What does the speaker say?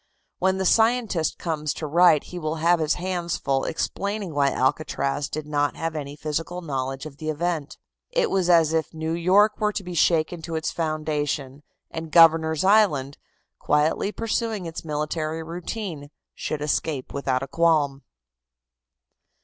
When the scientist comes to write he will have his hands full explaining why Alcatraz did not have any physical knowledge of the event. It was as if New York were to be shaken to its foundation, and Governor's Island, quietly pursuing its military routine, should escape without a qualm.